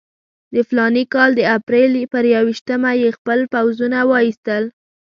د فلاني کال د اپرېل پر یوویشتمه یې خپل پوځونه وایستل.